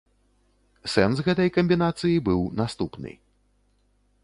Сэнс гэтай камбінацыі быў наступны.